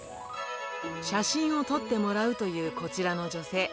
写真を撮ってもらうというこちらの女性。